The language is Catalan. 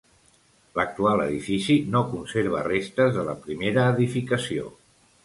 L'actual edifici no conserva restes de la primera edificació.